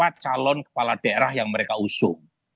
siapa calon kepala daerah yang mereka usung